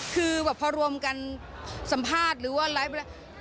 คือแบบพอรวมกันสัมภาษณ์หรือว่าไลฟ์อะไร